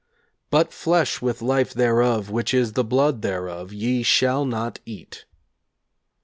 'But flesh with life thereof, which is the blood thereof, ye shall not eat.'